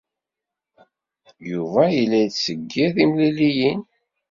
Yuba yella yettseggir timliliyin.